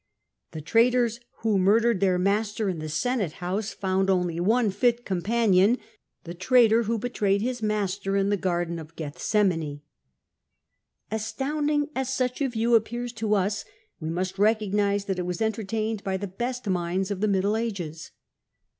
The traitors who murdered their master in the Senate house 290 CiESAR found only one fit companion, the traitor who betrayed his Master in the Garden of Gethsemane. Astounding as such a view appears to us, we must recognise that it was entertained by the best minds of the Middle Ages.